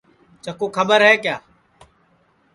چکُُو کھٻر ہے کیا